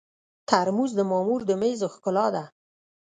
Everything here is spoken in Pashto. ترموز د مامور د مېز ښکلا ده.